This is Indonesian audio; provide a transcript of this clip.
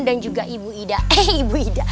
dan juga ibu ida